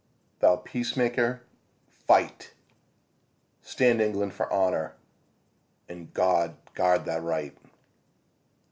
Thou peacemaker, fight! Stand England for honour And God guard the Right!